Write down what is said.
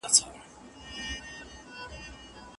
تل خپلو کارونو او موخو ته ژمن اوسئ.